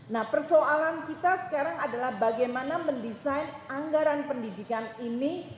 nah persoalan kita sekarang adalah bagaimana mendesain anggaran pendidikan ini